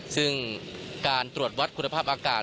ซึ่งการตรวจวัดคุณภาพอากาศ